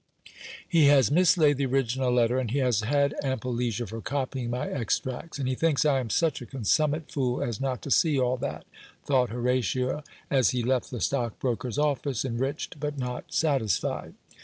"He has mislaid the original letter, and he has had ample leisure for copying my extracts; and he thinks I am such a consummate fool as not to see all that," thought Horatio, as he left the stockbroker's office, enriched but not satisfied.